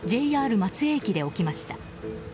ＪＲ松江駅で起きました。